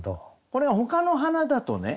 これがほかの花だとね